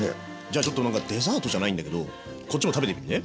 じゃあちょっとデザートじゃないんだけどこっちも食べてみるね。